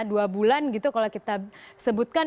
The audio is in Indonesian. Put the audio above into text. dua bulan gitu kalau kita sebutkan